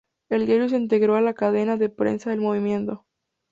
El diario se integró en la Cadena de Prensa del Movimiento.